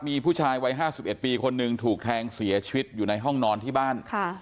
มีผู้ชายวัย๕๑ปีคนหนึ่งถูกแทงเสียชีวิตอยู่ในห้องนอนที่บ้าน